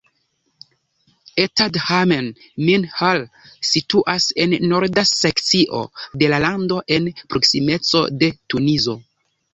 Ettadhamen-Mnihla situas en norda sekcio de la lando en proksimeco de Tunizo.